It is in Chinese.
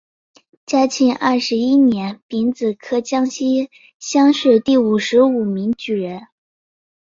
嘉庆二十一年丙子科江西乡试第五十五名举人。